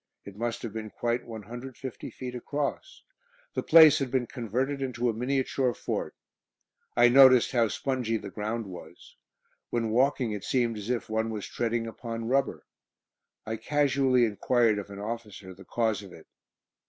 It must have been quite 150 feet across. The place had been converted into a miniature fort. I noticed how spongy the ground was. When walking it seemed as if one was treading upon rubber. I casually enquired of an officer the cause of it.